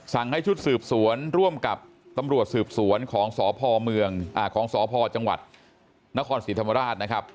สั่งให้ชุดสืบสวนร่วมกับตำรวจสืบสวนของสอพจังหวัดนครสิทธมาราชนะครับ